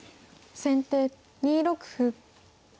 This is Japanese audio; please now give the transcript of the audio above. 先手２六歩。